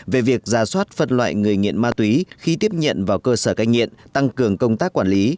về việc ra soát phân loại người nghiện ma túy khi tiếp nhận vào cơ sở cai nghiện tăng cường công tác quản lý